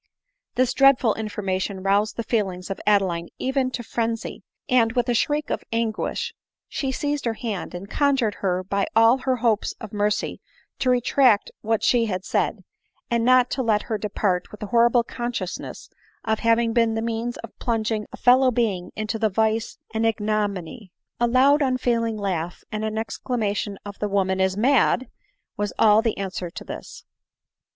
This dreadful information roused the feelings of Ade line even to frenzy ; and with a shriek of anguish she seized her hand, and conjured her by all her hopes of mercy to retract what she had said, and not to lef her depart with the horrible consciousness of having been the means of plunging a fellow being into vice and ig nominy. A loud unfeeling laugh, and an exclamation of " the woman is mad," was all the answer to this.